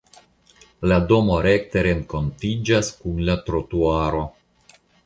La domo rekte renkontiĝas kun la trotuaro.